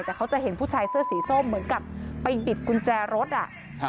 แต่เขาจะเห็นผู้ชายเสื้อสีส้มเหมือนกับไปบิดกุญแจรถอ่ะ